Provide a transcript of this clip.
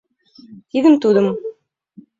Тидым, тудым.